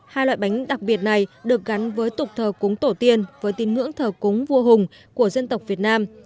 hai loại bánh đặc biệt này được gắn với tục thờ cúng tổ tiên với tín ngưỡng thờ cúng vua hùng của dân tộc việt nam